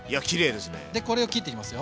でこれを切っていきますよ。